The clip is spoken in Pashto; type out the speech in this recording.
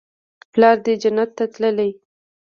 پلار دې جنت ته تللى.